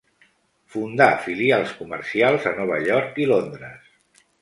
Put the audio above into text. Fundà filials comercials a Nova York i Londres.